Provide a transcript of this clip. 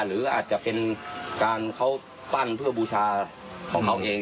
หรืออาจจะเป็นการเขาปั้นเพื่อบูชาของเขาเอง